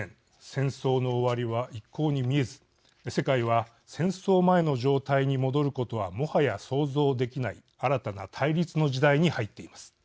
戦争の終わりは一向に見えず世界は戦争前の状態に戻ることはもはや想像できない新たな対立の時代に入っています。